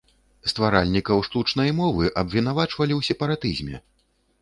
Стваральнікаў штучнай мовы абвінавачвалі ў сепаратызме.